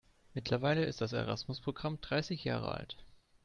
Mittlerweile ist das Erasmus-Programm dreißig Jahre alt.